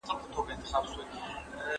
تخلص ستا پر ژوند او حيثيت مستقيم اغېز لري.